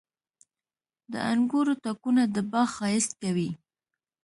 • د انګورو تاکونه د باغ ښایست کوي.